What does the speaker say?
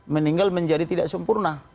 meninggal menjadi tidak sempurna